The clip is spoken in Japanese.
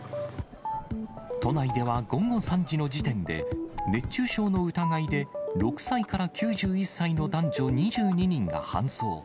都内では午後３時の時点で、熱中症の疑いで６歳から９１歳の男女２２人が搬送。